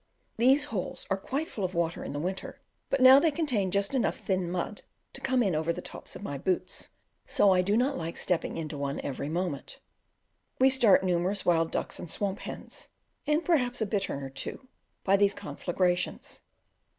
These holes are quite full of water in the winter, but now they contain just enough thin mud to come in over the tops of my boots; so I do not like stepping into one every moment. We start numerous wild ducks and swamp hens, and perhaps a bittern or two, by these conflagrations.